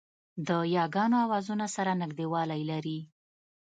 د یاګانو آوازونه سره نږدېوالی لري